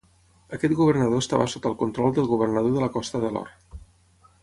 Aquest governador estava sota el control del Governador de la Costa de l'Or.